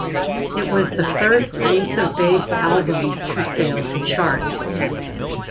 It was the first Ace of Base album to fail to chart.